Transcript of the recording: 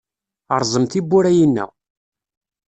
Rẓem tiwwura-inna!